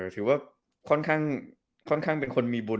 ถือว่าก่อนค่ะค่อนข้างเป็นคนมีบุญ